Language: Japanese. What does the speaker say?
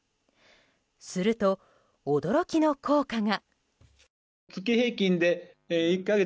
すると、驚きの効果が。